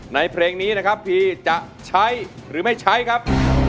ในเพลงนี้พีชจะใช้กับไม่ใช้ครับ